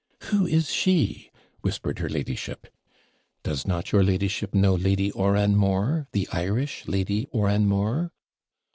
'Who is she?' whispered her ladyship. 'Does not your ladyship know Lady Oranmore the Irish Lady Oranmore?'